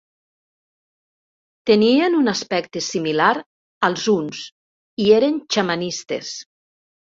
Tenien un aspecte similar als huns i eren xamanistes.